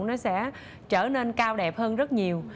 nó sẽ trở nên cao đẹp hơn rất nhiều